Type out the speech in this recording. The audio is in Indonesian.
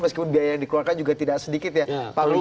meskipun biaya yang dikeluarkan juga tidak sedikit ya pak wisma